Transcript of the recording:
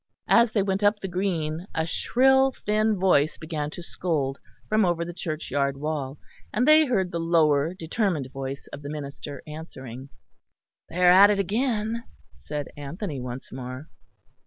As they went up the green, a shrill thin voice began to scold from over the churchyard wall, and they heard the lower, determined voice of the minister answering. "They are at it again," said Anthony, once more.